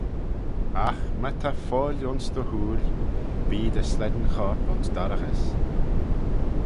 Agh my ta foill ayns dty hooyl, bee dty slane chorp ayns dorraghys.